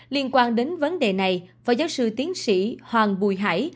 liên quan đến vấn đề này phó giáo sư tiến sĩ hoàng bùi hải